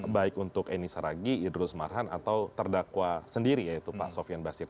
baik untuk eni saragi idrus marhan atau terdakwa sendiri yaitu pak sofian basir